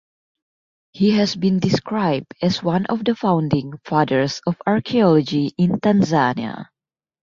He has been described as "one of the founding fathers of archaeology in Tanzania".